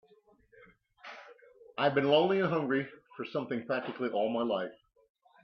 I've been lonely and hungry for something practically all my life.